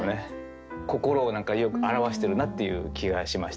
心をよく表してるなっていう気がしましたね。